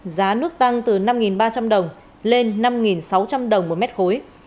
giá nước tăng từ năm ba trăm linh đồng lên năm sáu trăm linh đồng một mét khối